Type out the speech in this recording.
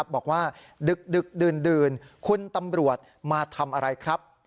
ดึกดื่นคุณตำรวจมาทำอะไรครับ